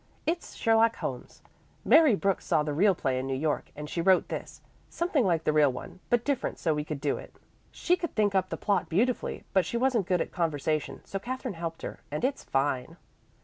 It's 'Sherlock Holmes.' Mary Brooks saw the real play in New York, and she wrote this, something like the real one, but different so we could do it. She could think up the plot beautifully but she wasn't good at conversation, so Katherine helped her, and it's fine."